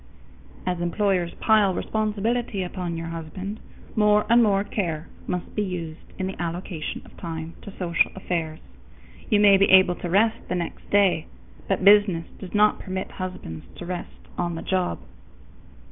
_ As employers pile responsibility upon your husband, more and more care must be used in the allocation of time to social affairs. You may be able to rest the next day, but business does not permit husbands to rest on the job.